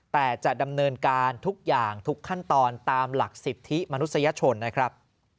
แต่จะดำเนินการทุกอย่างทุกขั้นตอนตามหลักสิทธิมนุษยชนนะครับ